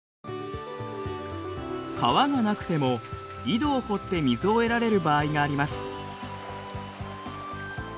川がなくても井戸を掘って水を得られる場合があります。